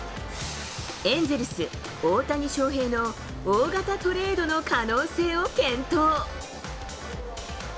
エンゼルス、大谷翔平の大型トレードの可能性を検討。